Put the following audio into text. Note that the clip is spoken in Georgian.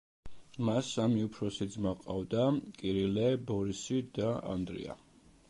მას სამი უფროსი ძმა ჰყავდა: კირილე, ბორისი და ანდრია.